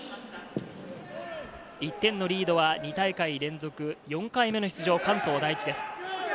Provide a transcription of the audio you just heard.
１点のリードは２大会連続４回目の出場、関東第一です。